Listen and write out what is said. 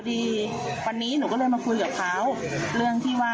ดีวันนี้หนูก็เลยมาคุยกับเขาเรื่องที่ว่า